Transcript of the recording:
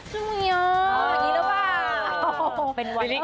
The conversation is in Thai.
ช่วยมียอม